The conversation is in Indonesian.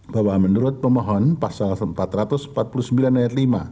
bahwa menurut pemohon pasal empat ratus empat puluh sembilan ayat lima